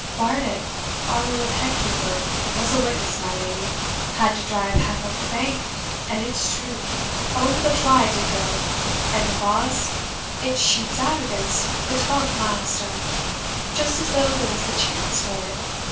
"Bardett, our old head keeper, was a witness, my lady, had to drive half up the bank, and it's true over the fly did go; and the vaws it shoots out against the twelfth mile stone, just as though there was the chance for it!